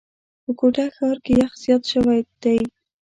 په کوټه ښار کي یخ زیات شوی دی.